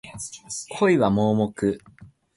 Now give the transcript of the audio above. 恋は盲目